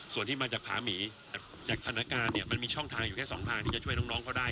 ส่วนที่มาจากผาหมีจากสถานการณ์เนี่ยมันมีช่องทางอยู่แค่สองทางที่จะช่วยน้องเขาได้